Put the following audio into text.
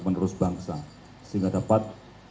penerus bangsa sehingga dapat